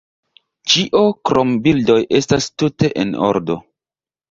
Ĉio krom bildoj estas tute en ordo.